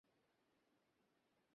আমার গার্লফ্রেন্ডকে আন্টির মতো লাগে?